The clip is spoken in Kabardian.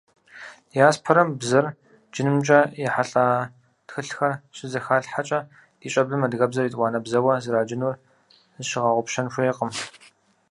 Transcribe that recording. Диаспорэм бзэр джынымкӀэ ехьэлӀа тхылъхэр щызэхалъхьэкӀэ, ди щӀэблэм адыгэбзэр етӀуанэ бзэуэ зэраджынур зыщыгъэгъупщэн хуейкъым.